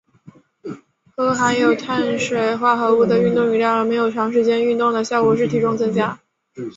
喝含有碳水化合物的运动饮料而没有长时间运动的效果是体重增加。